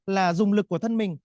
là dùng lực của thân mình